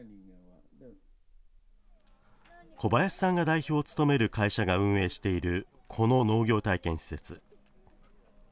小林さんが代表を務める会社が運営している、この農業体験施設。